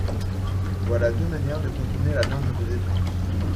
Voila deux manières de contourner la norme de dépense.